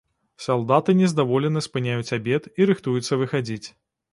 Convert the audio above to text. Салдаты нездаволена спыняюць абед і рыхтуюцца выхадзіць.